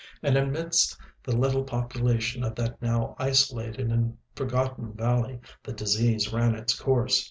And amidst the little population of that now isolated and forgotten valley the disease ran its course.